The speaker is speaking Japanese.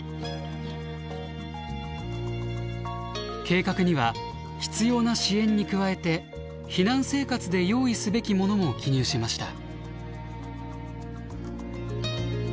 計画には必要な支援に加えて避難生活で用意すべきものも記入しました。